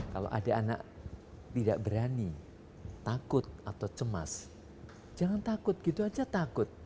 kalau ada anak tidak berani takut atau cemas jangan takut gitu aja takut